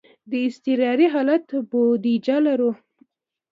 د اضطراري حالت بودیجه لرو؟